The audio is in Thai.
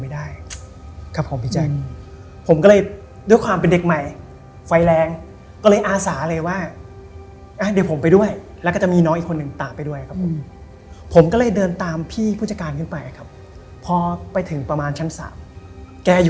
มันจะเป็นเหมือนโต๊ะเส้นไหว้สักอย่างเนี่ยครับพี่ชัย